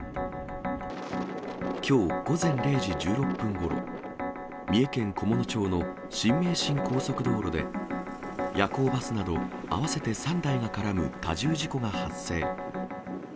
きょう午前０時１６分ごろ、三重県菰野町の新名神高速道路で、夜行バスなど合わせて３台が絡む多重事故が発生。